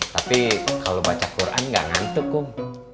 tapi kalau baca quran gak ngantuk bum